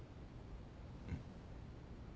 うん。